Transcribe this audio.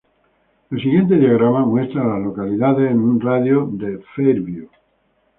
El siguiente diagrama muestra a las localidades en un radio de de Fairview.